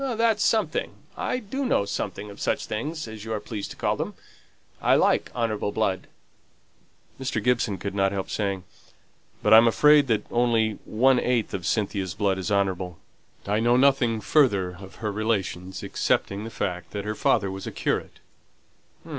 "That's something. I do know something of such things, as you are pleased to call them. I like honourable blood." Mr. Gibson could not help saying, "But I'm afraid that only one eighth of Cynthia's blood is honourable; I know nothing further of her relations excepting the fact that her father was a curate."